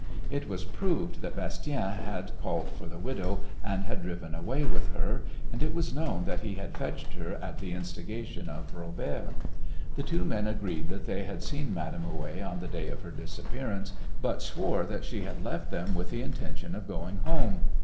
It was proved that Bastien had called for the widow and had driven away with her, and it was known that he had fetched her at the instigation of Robert. The two men agreed that they had seen Madame Houet on the day of her disappearance, but swore that she had left them with the intention of going home.